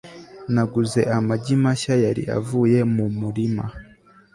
naguze amagi mashya yari avuye mu murima